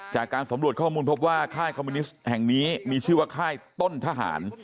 จากการสำรวจข้อมูลพบว่าค่ายคอมมิวนิสต์แห่งนี้มีชื่อว่าค่ายต้นทหาร